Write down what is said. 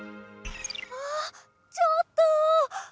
ああちょっと！